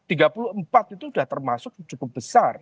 tiga puluh empat itu sudah termasuk cukup besar